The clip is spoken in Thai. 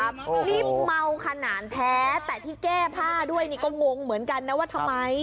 นี่เมาขนาดแท้แต่ที่แก้ผ้าด้วยนี่ก็งงเหมือนกันนะว่าทำไม